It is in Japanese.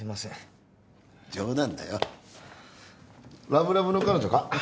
ラブラブの彼女か？